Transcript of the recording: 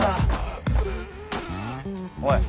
おい。